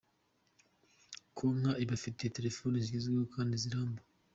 Konka ibafitiye Telefoni zigezweho kandi ziramba.